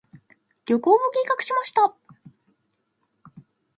旅行を計画しました。